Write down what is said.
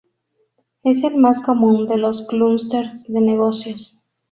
Es el más común de los clústers de negocios.